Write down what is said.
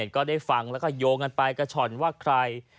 ก็ได้ฟังแล้วก็โยงกันไปกระช่อนว่าใคร